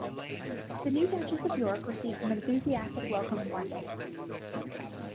The new Duchess of York received an enthusiastic welcome in London.